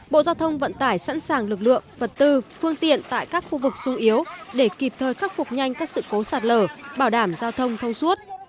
bộ giao thông vận tải sẵn sàng lực lượng vật tư phương tiện tại các khu vực sung yếu để kịp thời khắc phục nhanh các sự cố sạt lở bảo đảm giao thông thông suốt